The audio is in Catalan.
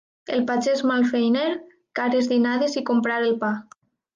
El pagès malfeiner, cares dinades i comprar el pa.